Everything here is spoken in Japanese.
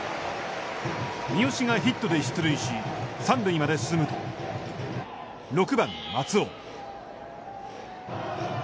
三好がヒットで出塁し、三塁まで進むと、６番松尾。